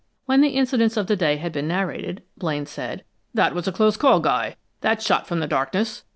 When the incidents of the day had been narrated, Blaine said: "That was a close call, Guy, that shot from the darkness.